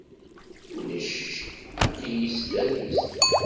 Ulac ccekk aql-i s tadist.